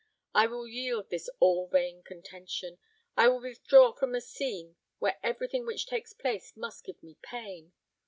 I will yield this all vain contention; I will withdraw from a scene where everything which takes place must give me pain.